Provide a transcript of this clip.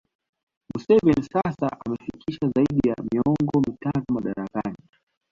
Museveni sasa amefikisha zaidi ya miongo mitatu madarakani